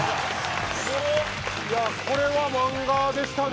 いやこれは漫画でしたね